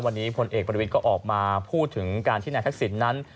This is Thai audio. วันนี้พลเอกประวิทย์ก็ออกมาพูดถึงการที่นายทักษิณนั้น